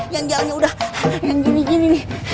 yang jalan udah yang gini gini